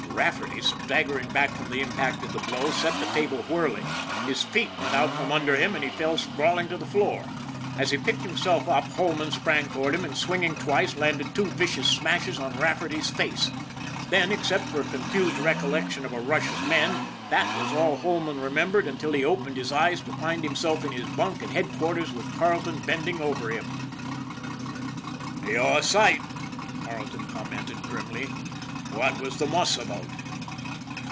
Rafferty, staggering back from the impact of the blow, set the table whirling. His feet went out from under him and he fell sprawling to the floor. As he picked himself up, Holman sprang toward him and swinging twice landed two vicious smashes on Raf ferty 's face. Then, except for a confused recollection of a rush of men, that was all Holman remem bered until he opened his eyes to find himself in his bunk at headquarters with Carleton bending over him. "You're a sight," Carleton commented grimly. " What was the muss about?